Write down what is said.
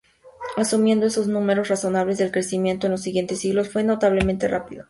Asumiendo esos números razonables el crecimiento en los siguientes siglos fue notablemente rápido.